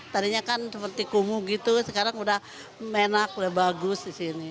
tadinya kan seperti kumuh gitu sekarang udah enak udah bagus di sini